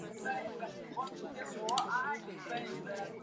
其游牧区域在欧洲人绘制的地图里称之为鞑靼利亚。